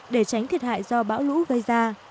để tránh thiệt hại do bão lũ gây ra